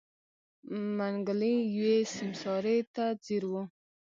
منګلی يوې سيمسارې ته ځير و.